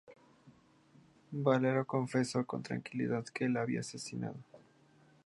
Valero confesó con tranquilidad que la había asesinado.